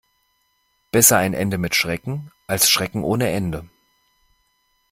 Besser ein Ende mit Schrecken, als Schrecken ohne Ende.